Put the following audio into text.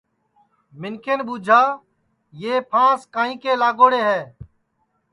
منکھین ٻوجھا یو پھانٚس کائیں کے لاگوڑے ہے